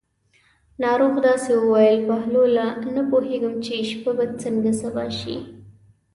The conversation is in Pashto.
ناروغ داسې وویل: بهلوله نه پوهېږم چې شپه به څنګه سبا شي.